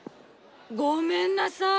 ごめんなさい！